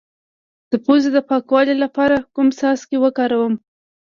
د پوزې د پاکوالي لپاره کوم څاڅکي وکاروم؟